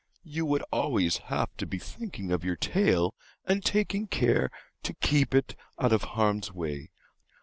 You would always have to be thinking of your tail and taking care to keep it out of harm's way.